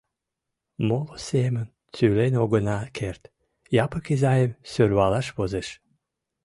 Моло семын тӱлен огына керт: Япык изайым сӧрвалаш возеш.